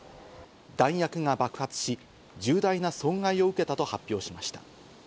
弾薬が爆発し重大な損害を受けたと発表しました。